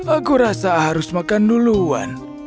aku rasa harus makan duluan